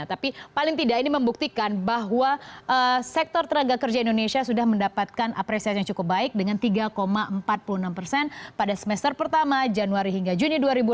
tapi paling tidak ini membuktikan bahwa sektor tenaga kerja indonesia sudah mendapatkan apresiasi yang cukup baik dengan tiga empat puluh enam persen pada semester pertama januari hingga juni dua ribu enam belas